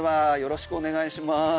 それではよろしくお願いします。